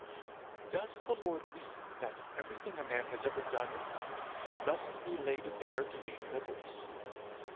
Does the Lord mean that everything a man has ever done or thought must be laid bare to the universe?